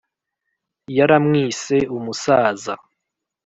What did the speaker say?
yaramwise umusaza